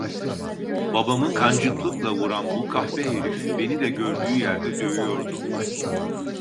Babamı kancıklıkla vuran bu kahpe herif beni de gördüğü yerde dövüyordu.